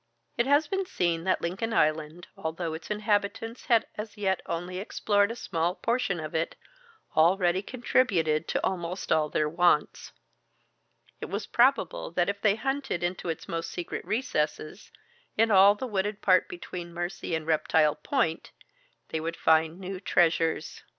It has been seen that Lincoln Island, although its inhabitants had as yet only explored a small portion of it, already contributed to almost all their wants. It was probable that if they hunted into its most secret recesses, in all the wooded part between the Mercy and Reptile Point, they would find new treasures.